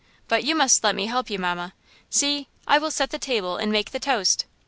But you must let me help you, mamma! See! I will set the table and make the toast!"